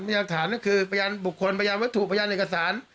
ยาฐานก็คือพยานบุคคลพยานวัตถุพยานเอกสาร